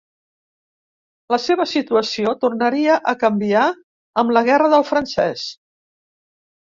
La seva situació tornaria a canviar amb la guerra del francès.